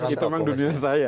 itu memang dunia saya